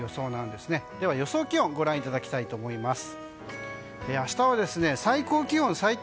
では、予想気温ご覧いただきたいと思います。